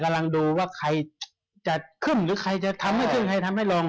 ดูว่าใครจะขึ้นหรือใครจะทำไม่ขึ้นใครทำให้ลง